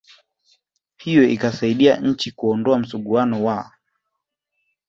hiyo ikasaidia nchi kuondoa msuguano wa